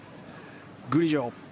グリジョ。